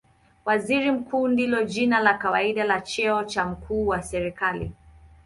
Waziri Mkuu ndilo jina la kawaida la cheo cha mkuu wa serikali.